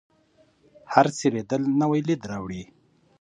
هره څیرېدل نوی لید راوړي.